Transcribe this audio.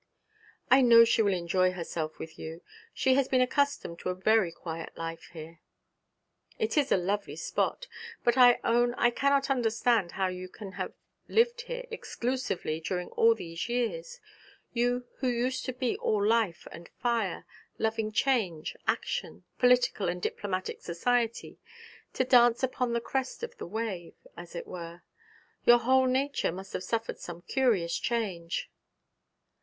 'I know she will enjoy herself with you. She has been accustomed to a very quiet life here.' 'It is a lovely spot; but I own I cannot understand how you can have lived here exclusively during all these years you who used to be all life and fire, loving change, action, political and diplomatic society, to dance upon the crest of the wave, as it were. Your whole nature must have suffered some curious change.'